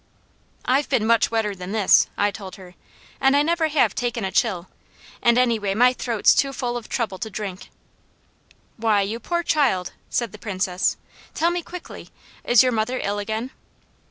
"I've been much wetter than this," I told her, "and I never have taken a chill, and anyway my throat's too full of trouble to drink." "Why, you poor child!" said the Princess. "Tell me quickly! Is your mother ill again?"